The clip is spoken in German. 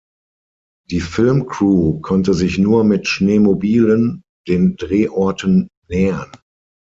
Die Filmcrew konnte sich nur mit Schneemobilen den Drehorten nähern.